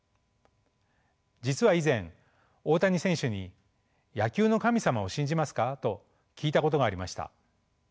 実は以前大谷選手に「野球の神様を信じますか？」と聞いたことがありました。